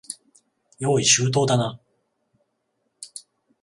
用意周到だな。